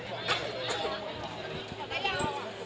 ก็ยาว